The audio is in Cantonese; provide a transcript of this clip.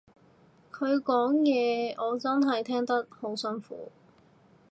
佢講嘢我真係聽得好辛苦